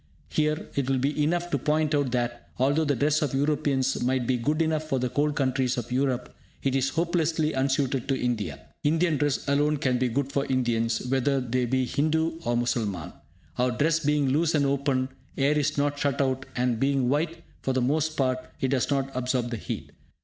Here it will be enough to point out that, although the dress of Europeans might be good enough for the cold countries of Europe, it is hopelessly unsuited to India. Indian dress, alone, can be good for Indians, whether they be Hindu or Musalman. Our dress being loose and open, air is not shut out; and being white for the most part, it does not absorb the heat.